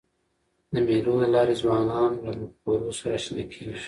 د مېلو له لاري ځوانان له مفکورو سره اشنا کېږي.